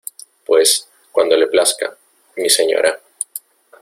pues cuando le plazca, mi señora.